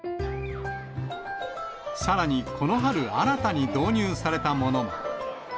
さらにこの春、新たに導入されたものも。